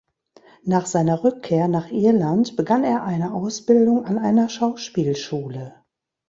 Nach seiner Rückkehr nach Irland begann er eine Ausbildung an einer Schauspielschule.